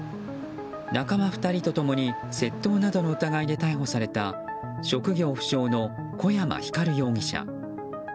仲間２人と共に窃盗などの疑いで逮捕された職業不詳の湖山光容疑者。